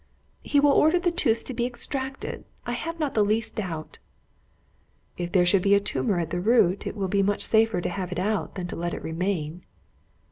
"He will order the tooth to be extracted, I have not the least doubt." "If there should be a tumour at the root, it will be much safer to have it out than let it remain."